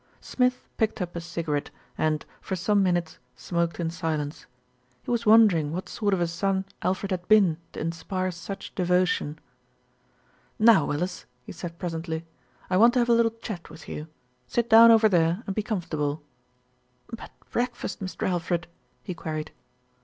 Smith picked up a cigarette and, for some minutes, smoked in silence. He was wondering what sort of a son Alfred had been to inspire such devotion. "Now, Willis," he said presently. "I want to have a little chat with you. Sit down over there and be com fortable." "But breakfast, Mr. Alfred?" he queried.